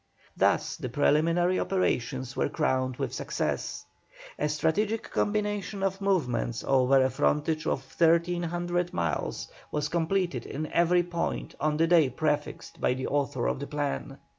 Thus the preliminary operations were crowned with success. A strategic combination of movements over a frontage of 1,300 miles was completed in every point on the day prefixed by the author of the plan.